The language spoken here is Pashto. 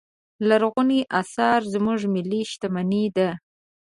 لرغوني اثار زموږ ملي شتمنې ده.